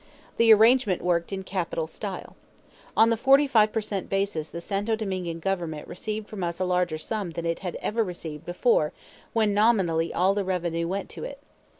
The arrangement worked in capital style. On the forty five per cent basis the Santo Domingan Government received from us a larger sum than it had ever received before when nominally all the revenue went to it.